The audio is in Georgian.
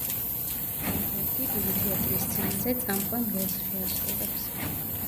ჰალბერგი დიდი თეატრის სცენაზე წამყვან როლს შეასრულებს.